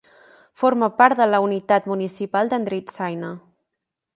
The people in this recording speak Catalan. Forma part de la unitat municipal d'Andritsaina.